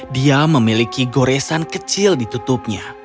dia memiliki goresan kecil di tutupnya